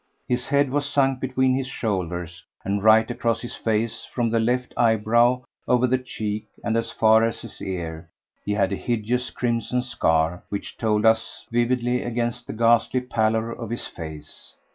His head was sunk between his shoulders, and right across his face, from the left eyebrow over the cheek and as far as his ear, he had a hideous crimson scar, which told up vividly against the ghastly pallor of his face.